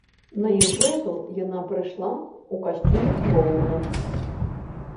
На імпрэзу яна прыйшла ў касцюме клоуна.